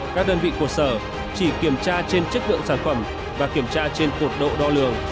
các đơn vị của sở chỉ kiểm tra trên chất lượng sản phẩm và kiểm tra trên cột độ đo lường